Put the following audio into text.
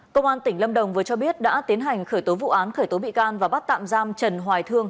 công an tỉnh lâm đồng vừa cho biết đã tiến hành khởi tố vụ án khởi tố bị can và bắt tạm giam trần hoài thương